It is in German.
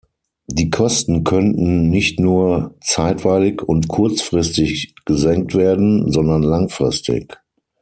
Die Kosten könnten nicht nur zeitweilig und kurzfristig gesenkt werden, sondern langfristig.